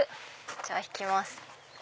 じゃあ引きます。